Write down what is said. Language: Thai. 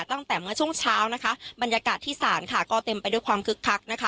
ตั้งแต่เมื่อช่วงเช้านะคะบรรยากาศที่ศาลค่ะก็เต็มไปด้วยความคึกคักนะคะ